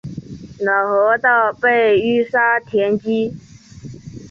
老河道被淤沙填积。